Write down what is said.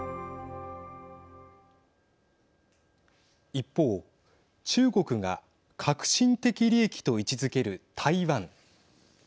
一方、中国が核心的利益と位置づける台湾。